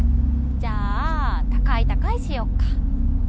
じゃあ高い高いしよっか。